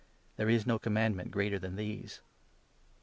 There is no commandment greater than these."